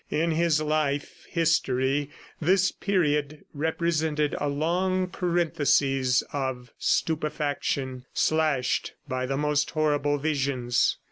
In his life history, this period represented a long parenthesis of stupefaction, slashed by the most horrible visions.